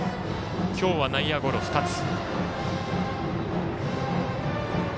今日は内野ゴロ２つ。